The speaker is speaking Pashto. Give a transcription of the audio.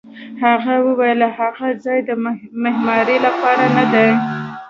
هغه وویل: هغه ځای د معمارۍ لپاره نه دی.